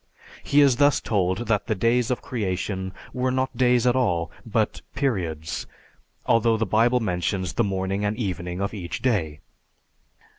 He is thus told that the days of creation were not days at all, but periods; although the Bible mentions the morning and evening of each day.